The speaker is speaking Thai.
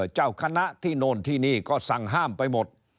เจ้าคณะที่โน่นที่นี่ก็สั่งห้ามไปหมด